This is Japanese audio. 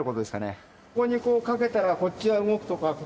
ここにこうかけたらこっちが動くとか